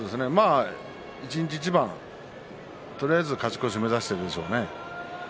一日一番とりあえず勝ち越しを目指しているんでしょうね。